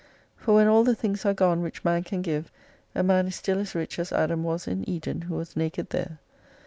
For when all the things are gone which man can give, a man is still as rich as Adam was in Eden, who was naked there.